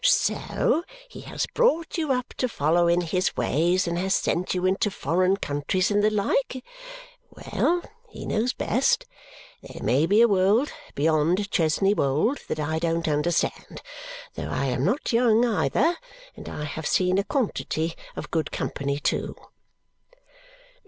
So he has brought you up to follow in his ways and has sent you into foreign countries and the like? Well, he knows best. There may be a world beyond Chesney Wold that I don't understand. Though I am not young, either. And I have seen a quantity of good company too!"